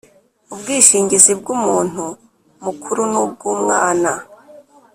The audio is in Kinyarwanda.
ubwishingizi bw umuntu mukuru nubwumwana